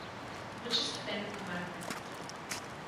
Which is the tenth commandment?